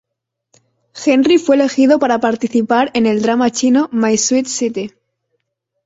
Henry fue elegido para participar en el drama chino "My Sweet City".